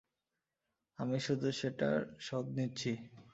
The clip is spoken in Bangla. আমি শুধু সেটার শোধ নিচ্ছি।